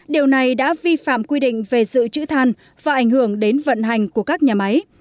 điều này đã vi phạm quy định về dự trữ than và ảnh hưởng đến vận hành của các nhà máy